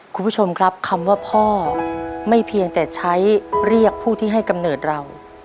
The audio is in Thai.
คุณผู้ชมครับคำว่าพ่อไม่เพียงแต่ใช้เรียกผู้ที่ให้กำเนิดเรา